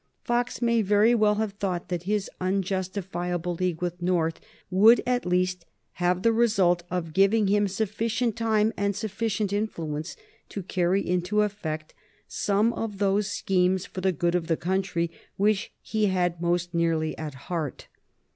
Fox may very well have thought that his unjustifiable league with North would at least have the result of giving him sufficient time and sufficient influence to carry into effect some of those schemes for the good of the country which he had most nearly at heart.